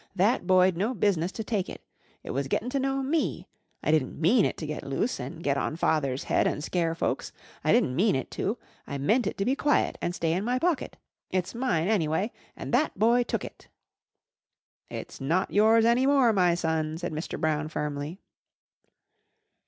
"That boy'd no business to take it. It was gettin' to know me. I di'n't mean it to get loose, an' get on Father's head an' scare folks. I di'n't mean it to. I meant it to be quiet and stay in my pocket. It's mine, anyway, an' that boy took it." "It's not yours any more, my son," said Mr. Brown firmly.